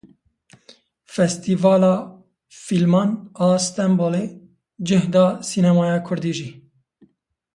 Festîvala Fîlman a Stenbolê cih da sînemaya kurdî jî.